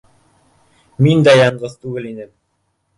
Мин дә яңғыҙ түгел инем